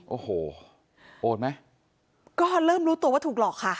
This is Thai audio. โอ้โหโอดไหมก็เริ่มรู้ตัวว่าถูกหลอกค่ะ